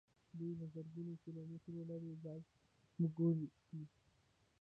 دوی له زرګونو کیلو مترو لیرې ځایه موږ ولي.